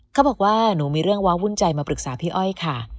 เขาบอกว่าหนูมีเรื่องว้าววุ่นใจมาปรึกษาพี่อ้อยค่ะ